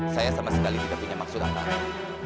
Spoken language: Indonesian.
saya sama sekali tidak punya maksud apa apa